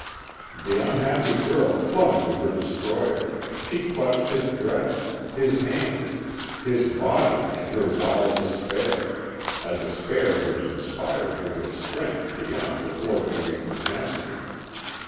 The unhappy girl clung to her destroyer, she clutched his dress, his hands, his body in her wild despair a despair which inspired her with strength beyond her ordinary capacity.